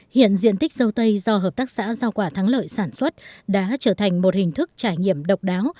hiện diện tích dâu tây do hợp tác xã giao quả thắng lợi sản xuất đã trở thành một hình thức trải nghiệm độc đáo